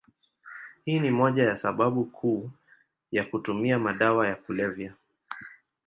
Hii ni moja ya sababu kuu ya kutumia madawa ya kulevya.